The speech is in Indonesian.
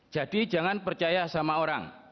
jadi jangan percaya sama orang